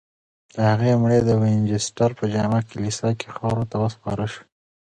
د هغې مړی د وینچسټر په جامع کلیسا کې خاورو ته وسپارل شو.